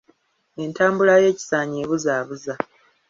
Entambula y’ekisaanyi ebuzaabuza.